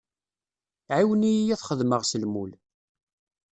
Ɛiwen-iyi ad t-xedmeɣ s lmul.